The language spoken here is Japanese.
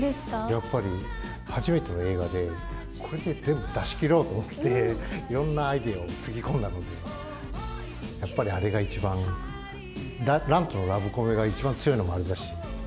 やっぱり初めての映画で、これで全部出しきろうと思って、いろんなアイデアをつぎ込んだので、やっぱりあれが一番、蘭とのラブコメが一番強いのもあれだし。